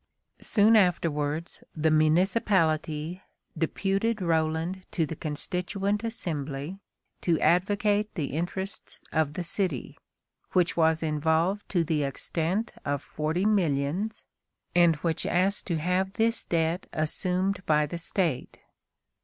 Soon afterwards, the municipality deputed Roland to the Constituent Assembly to advocate the interests of the city, which was involved to the extent of forty millions, and which asked to have this debt assumed by the State.